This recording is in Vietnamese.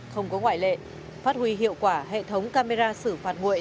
không có ngoại lệ phát huy hiệu quả hệ thống camera xử phạt nguội